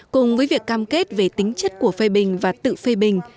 cùng với việc cam kết về tính chất của phê bình và tự phê bình